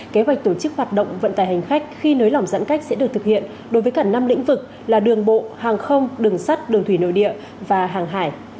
kế hoạch tổ chức hoạt động vận tải hành khách khi nới lỏng giãn cách sẽ được thực hiện đối với cả năm lĩnh vực là đường bộ hàng không đường sắt đường thủy nội địa và hàng hải